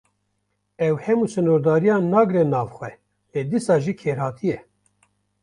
Ew hemû sînordariyan nagire nav xwe, lê dîsa jî kêrhatî ye.